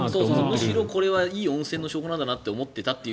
むしろこれはいい温泉の証拠なんだと思ってたっていう。